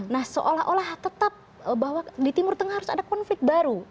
nah seolah olah tetap bahwa di timur tengah harus ada konflik baru